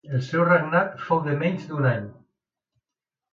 El seu regnat fou de menys d'un any.